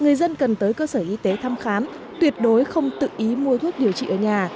người dân cần tới cơ sở y tế thăm khám tuyệt đối không tự ý mua thuốc điều trị ở nhà